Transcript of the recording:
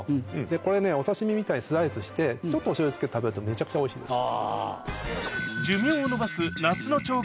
これお刺し身みたいにスライスしてちょっとお醤油つけて食べるとめちゃくちゃおいしいです。